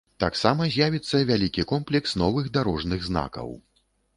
Таксама з'явіцца вялікі комплекс новых дарожных знакаў.